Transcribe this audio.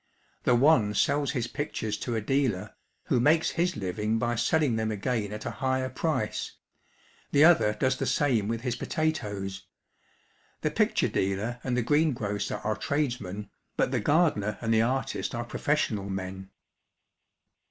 The one sells his pictures to a dealer, who makes his living by selling them again at a higher price; the other does the same with his potatoes. The picture dealer and the greengrocer are tradesmen, but the gardener and the artist are professional men.